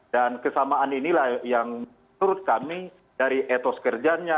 dan kesamaan inilah yang menurut kami dari etos kerjanya